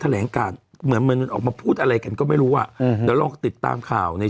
แหลงการเหมือนเหมือนออกมาพูดอะไรกันก็ไม่รู้อ่ะอืมเดี๋ยวลองติดตามข่าวใน